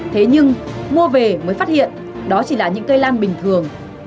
thế nhưng mua về mới phát hiện đó chỉ là những cây lan bình thường